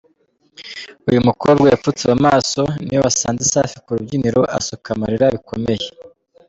Uyu mukobwa wipfutse mu maso niwe wasanze Safi ku rubyiniro asuka amarira bikomeye.